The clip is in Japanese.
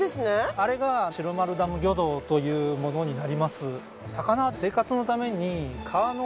あれが白丸ダム魚道というものになります。